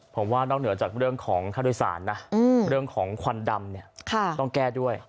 ผมว่านอกเหนือจากเรื่องของค่าโดยสารนะเรื่องของควันดำเนี่ยต้องแก้ด้วย